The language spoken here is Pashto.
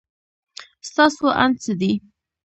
ستاسو اند څه دی؟